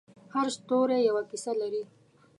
هر ستوری یوه کیسه لري.